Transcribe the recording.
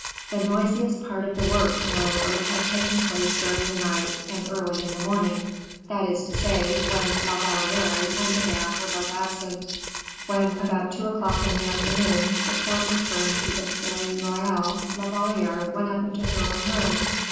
The noisiest part of the work, moreover, had taken place during the night and early in the morning, that is to say, when La Valliere and Madame were both absent. When, about two o'clock in the afternoon, the court returned to the Palais Royal, La Valliere went up into her own room.